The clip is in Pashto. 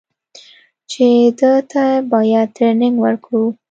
چې ده ته بايد ټرېننگ ورکړو.